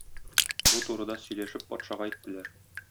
Бу турыда сөйләшеп патшага әйттеләр.